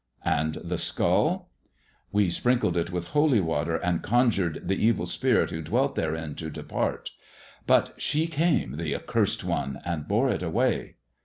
" And the skull 1 "" We sprinkled it with holy water, and conjured the e spirit who dwelt therein to depart. But she came, t accursed one, and bore it away.